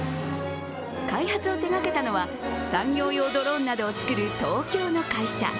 開発を手がけたのは産業用ドローンなどを作る東京の会社。